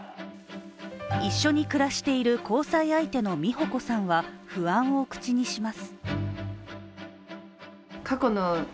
一緒に暮らしている交際相手の美保子さんは不安を口にします。